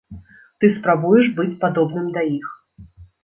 Ты спрабуеш быць падобным да іх.